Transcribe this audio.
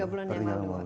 tiga bulan yang lalu